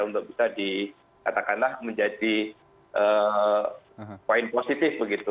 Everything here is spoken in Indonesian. untuk bisa dikatakanlah menjadi poin positif begitu